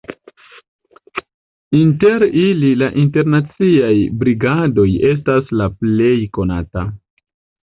Inter ili la Internaciaj Brigadoj estas la plej konata.